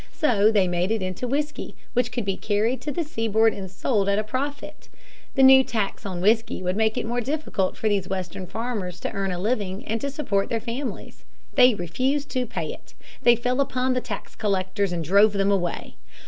So they made it into whiskey, which could be carried to the seaboard and sold at a profit. The new tax on whiskey would make it more difficult for these western farmers to earn a living and to support their families. They refused to pay it. They fell upon the tax collectors and drove them away.